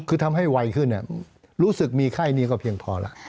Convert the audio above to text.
คือทำให้ไวขึ้นรู้สึกมีไข้นี้ก็เพียงพอแล้ว